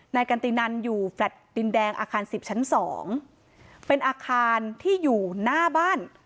นายกันตินันอยู่แฟลต์ดินแดงอาคารสิบชั้นสองเป็นอาคารที่อยู่หน้าบ้าน